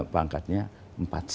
pangkatnya empat c